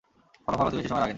ফলাফল হতে বেশী সময় লাগেনি।